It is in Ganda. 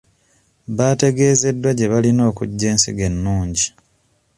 Bategezeddwa gye balina okugya ensigo ennungi.